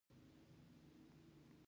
د سترګو د بڼو لپاره کوم تېل وکاروم؟